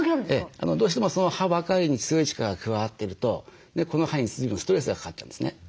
どうしてもその歯ばかりに強い力が加わってるとこの歯に随分ストレスがかかっちゃうんですね。